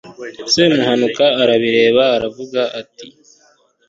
semuhanuka arabireba aravuga ati